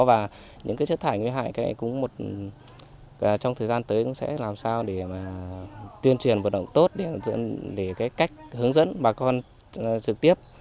và những chất thải nguy hại trong thời gian tới cũng sẽ làm sao để tuyên truyền vật động tốt để cách hướng dẫn bà con trực tiếp